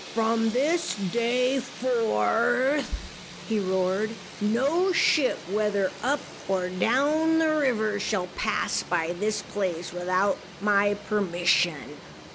"From this day forth," he roared, "no ship, whether up or down the river, shall pass by this place, without my permission.